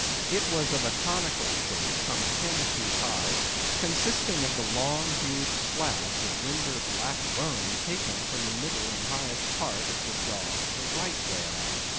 It was of a conical shape, some ten feet high; consisting of the long, huge slabs of limber black bone taken from the middle and highest part of the jaws of the right whale.